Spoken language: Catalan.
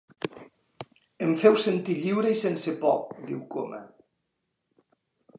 Em feu sentir lliure i sense por, diu Coma.